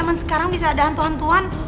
kan sekarang bisa ada hantu hantuan